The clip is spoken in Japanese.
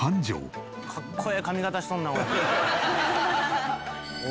かっこええ髪形しとんな。